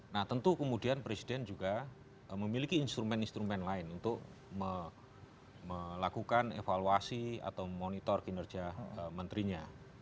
nah tentu kemudian presiden juga memiliki instrumen instrumen lain untuk melakukan evaluasi atau monitor kinerja menterinya